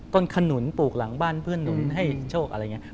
ขนุนปลูกหลังบ้านเพื่อนหนุนให้โชคอะไรอย่างนี้